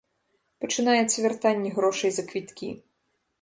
Пачынаецца вяртанне грошай за квіткі.